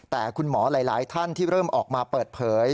แต่คุณหมอหลายท่านที่เริ่มออกมาเปิดเผย